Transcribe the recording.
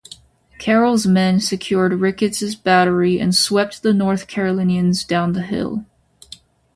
Carroll's men secured Ricketts's battery and swept the North Carolinians down the hill.